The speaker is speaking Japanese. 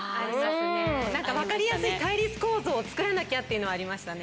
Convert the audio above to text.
分かりやすい対立構造を作らなきゃっていうのはありましたね。